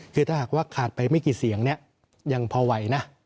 คือถ้าหากว่าขาดไปไม่กี่เสียงเนี่ยยังพอไหวนะ